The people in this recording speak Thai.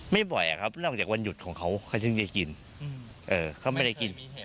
บ่อยครับนอกจากวันหยุดของเขาเขาถึงจะกินเขาไม่ได้กิน